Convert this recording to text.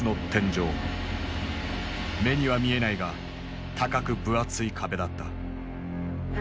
目には見えないが高く分厚い壁だった。